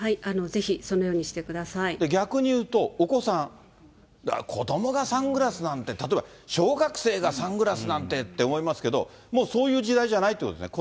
逆に言うと、お子さん、子どもがサングラスなんて、例えば小学生がサングラスなんてって思いますけど、もうそういう時代じゃないということですね。